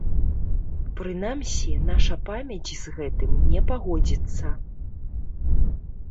Прынамсі, наша памяць з гэтым не пагодзіцца.